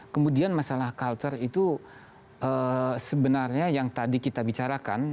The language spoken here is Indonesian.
kemudian masalah culture itu sebenarnya yang tadi kita bicarakan